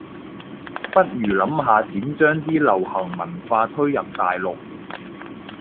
不如諗下點將啲流行文化推入大陸